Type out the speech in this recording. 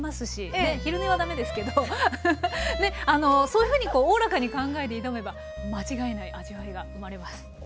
そういうふうにこうおおらかに考えて挑めば間違いない味わいが生まれます。